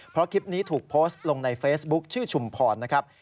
เพราะคลิปนี้ถูกโพสต์ลงในเฟซบุ๊คชื่อชุมพรนะครับ